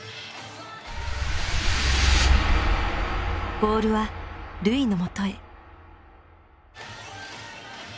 ボールは瑠唯のもとへ。